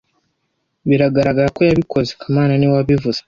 Biragaragara ko yabikoze kamana niwe wabivuze